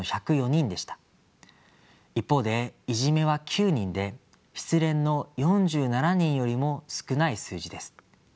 一方で「いじめ」は９人で「失恋」の４７人よりも少ない数字です。